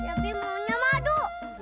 cepi maunya madu